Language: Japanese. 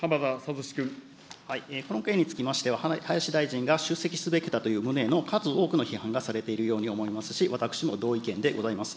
この件につきましては、林大臣が出席すべきだという旨の数多くの批判がされているようでございますし、私も同意見でございます。